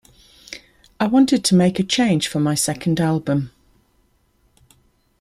I wanted to make a change for my second album.